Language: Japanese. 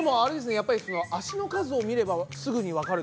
やっぱり脚の数を見ればすぐにわかる。